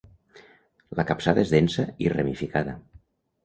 La capçada és densa i ramificada.